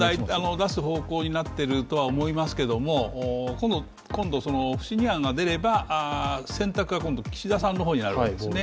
出す方向になってるとは思いますけども今度、不信任案が出れば選択が今度は岸田さんの方にあるわけです。